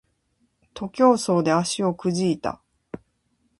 徒競走で足をくじいた